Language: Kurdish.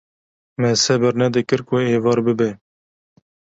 Me sebir nedikir ku êvar bibe